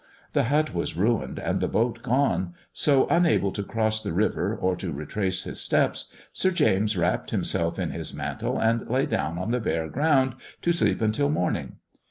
The hut was ruined and the boat gone, so, unable to cross the river or to retrace his steps, Sir James wrapped himself in his mantle and lay down on the bare ground to sleep till morning.